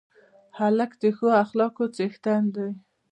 هلک د ښه اخلاقو څښتن دی.